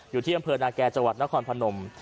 อยู่ที่บำเผอร์นาแก่จนครพนม